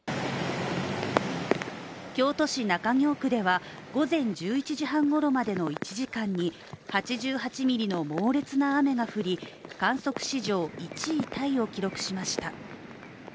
京都市中京区では午前１１時半ごろまでの１時間に８８ミリの猛烈な雨が降り観測史上１位タイを記録しました。